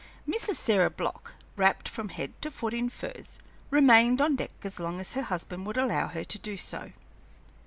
Mrs. Sarah Block, wrapped from head to foot in furs, remained on deck as long as her husband would allow her to do so.